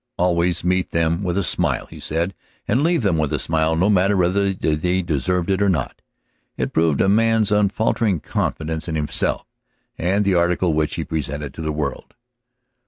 Always meet them with a smile, he said, and leave them with a smile, no matter whether they deserved it or not. It proved a man's unfaltering confidence in himself and the article which he presented to the world.